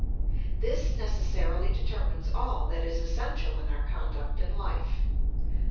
This necessarily determines all that is essential in our conduct in life, _i.